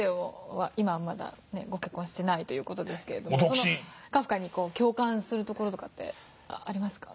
今はまだご結婚してないという事ですけどカフカに共感するところとかありますか？